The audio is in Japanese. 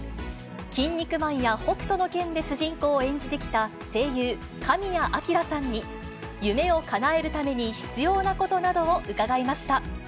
キン肉マンや北斗の拳で主人公を演じてきた声優、神谷明さんに、夢をかなえるために必要なことな